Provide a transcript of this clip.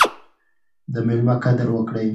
د میلمه قدر وکړئ.